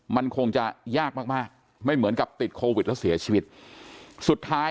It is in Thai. มันคงจะยากมากมากไม่เหมือนกับติดโควิดแล้วเสียชีวิตสุดท้าย